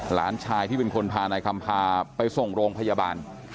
หลานชายที่เป็นคนพานายคำพาไปส่งโรงพยาบาล